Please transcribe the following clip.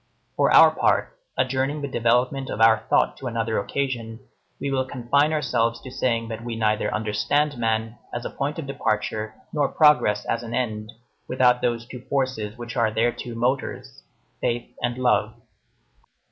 For our part, adjourning the development of our thought to another occasion, we will confine ourselves to saying that we neither understand man as a point of departure nor progress as an end, without those two forces which are their two motors: faith and love.